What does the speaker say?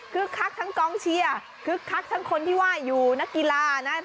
คักทั้งกองเชียร์คึกคักทั้งคนที่ว่าอยู่นักกีฬานะ